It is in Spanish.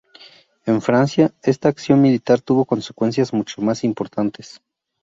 En Francia, esta acción militar tuvo consecuencias mucho más importantes.